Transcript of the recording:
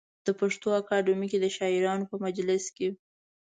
د پښتو اکاډمۍ کې د شاعرانو په مجلس کې.